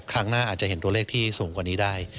ครั้งหน้าอาจจะเห็นตัวเลขที่สูงกว่านี้ได้